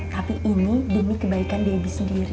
tapi ini demi kebaikan debi sendiri